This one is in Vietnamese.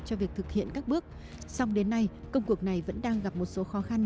cho việc thực hiện các bước song đến nay công cuộc này vẫn đang gặp một số khó khăn